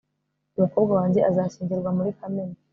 umukobwa wanjye azashyingirwa muri kamena